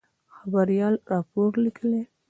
خبریال راپور لیکي.